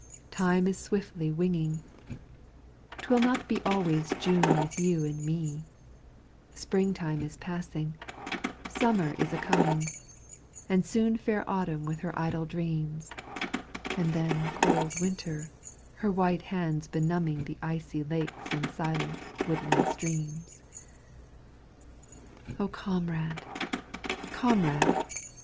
Time is swiftly winging, 'Twill not be always June with you and me; Spring time is passing Summer is a coming, And soon fair Autumn with her idle dreams, And then cold Winter, her White hands benumbing The icy lakes and silent, woodland streams! O Comrade! Comrade!